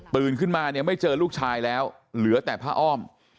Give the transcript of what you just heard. ขึ้นมาเนี่ยไม่เจอลูกชายแล้วเหลือแต่ผ้าอ้อม